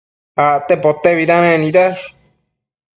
Acte potebidanec nidash